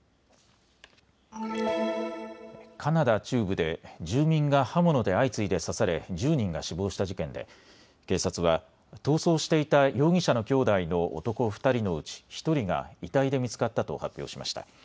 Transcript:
カナダ中部で住民が刃物で相次いで刺され、１０人が死亡した事件で警察は逃走していた容疑者の兄弟の男２人のうち１人が遺体で見つかったと発表しました。